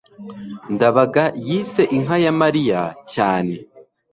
ndabaga yise inka ya mariya cyane